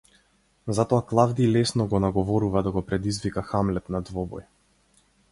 Затоа Клавдиј лесно го наговорува да го предизвика Хамлет на двобој.